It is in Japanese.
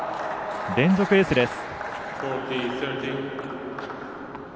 連続エースです。